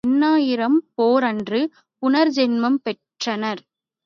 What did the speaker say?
எண்ணாயிரம் பேர் அன்று புனர் ஜென்மம் பெற்றனர்.